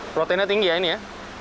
protein nya tinggi ya ini ya